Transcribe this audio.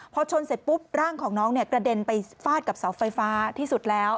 พอชนเสร็จปุ๊บร่างของน้องเนี่ยกระเด็นไปฟาดกับเสาไฟฟ้าที่สุดแล้ว